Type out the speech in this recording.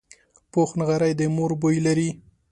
پوخ نغری د مور بوی لري